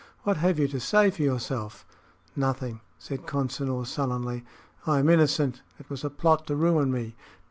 What have you to say for yourself?" "Nothing," said Consinor, sullenly. "I am innocent. It was a plot to ruin me."